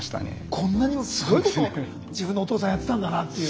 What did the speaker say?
こんなにもすごいこと自分のお父さんやってたんだなっていう。